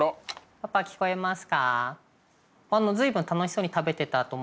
パパ聞こえますか。